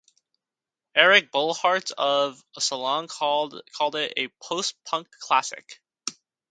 Eric Boehlert of "Salon" called it a "post-punk classic".